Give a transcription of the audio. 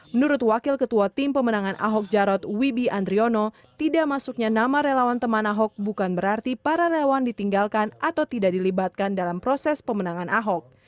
menurut wakil ketua tim pemenangan ahok jarot wibi andriono tidak masuknya nama relawan teman ahok bukan berarti para relawan ditinggalkan atau tidak dilibatkan dalam proses pemenangan ahok